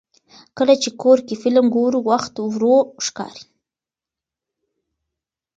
کله چې کور کې فلم ګورو، وخت ورو ښکاري.